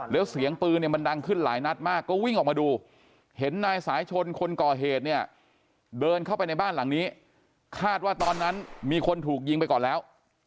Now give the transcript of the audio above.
แล้วเสียงปืนเนี่ยมันดังขึ้นหลายนัดมากก็วิ่งออกมาดูเห็นนายสายชนคนก่อเหตุเนี่ยเดินเข้าไปในบ้านหลังนี้คาดว่าตอนนั้นมีคนถูกยิงไปก่อนแล้ว